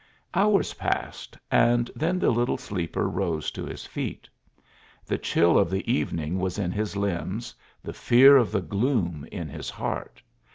Hours passed, and then the little sleeper rose to his feet. The chill of the evening was in his limbs, the fear of the gloom in his heart.